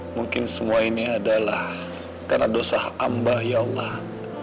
mungkin semua ini adalah karena dosa ambah ya allah